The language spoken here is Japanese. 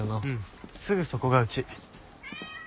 すぐそこがうち。